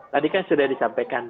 tadi kan sudah disampaikan